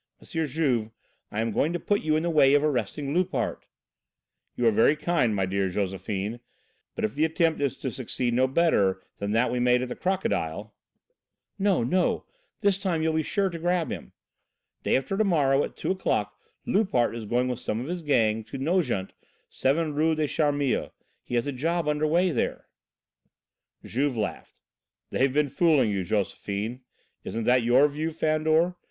Juve, I am going to put you in the way of arresting Loupart." "You are very kind, my dear Josephine, but if the attempt is to succeed no better than that we made at the 'Crocodile' " "No, no, this time you'll be sure to nab him. Day after to morrow at 2 o'clock, Loupart is going with some of his gang to Nogent, 7 Rue des Charmilles. He has a job there under way." Juve laughed. "They've been fooling you, Josephine. Isn't that your view, Fandor?